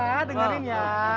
sekarang lagi menyembunyikan ya